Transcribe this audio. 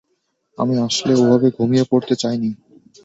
আমি আসলে ওভাবে ঘুমিয়ে পড়তে চাইনি।